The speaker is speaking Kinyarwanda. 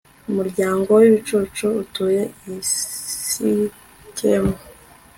umuryango w'ibicucu utuye i sikemu